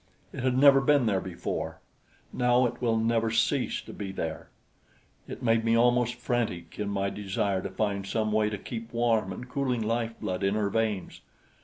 It had never been there before; now it will never cease to be there. It made me almost frantic in my desire to find some way to keep warm the cooling lifeblood in her veins.